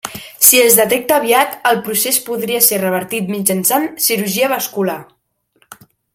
Si es detecta aviat, el procés podria ser revertit mitjançant cirurgia vascular.